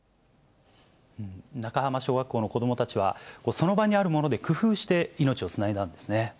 中浜小学校の子どもたちは、その場にあるもので工夫して、命をつないだんですね。